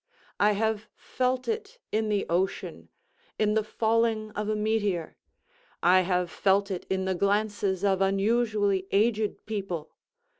I have felt it in the ocean—in the falling of a meteor. I have felt it in the glances of unusually aged people.